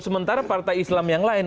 sementara partai islam yang lain